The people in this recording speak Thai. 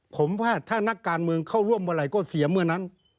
ผมว่าถ้านักการเมืองเข้าร่วมเมื่อไหร่ก็เสียเมื่อนั้น